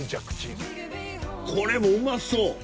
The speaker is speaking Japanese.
これもうまそう！